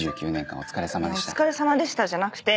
「お疲れさまでした」じゃなくて。